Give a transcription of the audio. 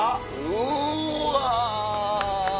うわ！